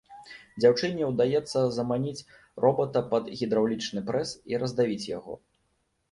Дзяўчыне ўдаецца заманіць робата пад гідраўлічны прэс і раздавіць яго.